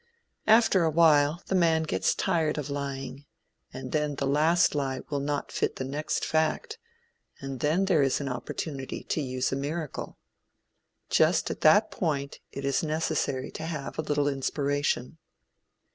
After a while the man gets tired of lying, and then the last lie will not fit the next fact, and then there is an opportunity to use a miracle. Just at that point, it is necessary to have a little inspiration.